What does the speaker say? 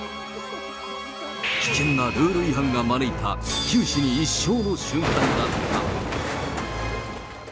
危険なルール違反が招いた、九死に一生の瞬間だった。